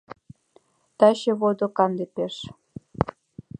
Таче водо канде пеш.